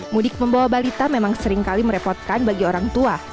mudik membawa balita memang seringkali merepotkan bagi orang tua